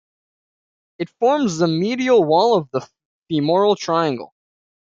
It forms the medial wall of the femoral triangle.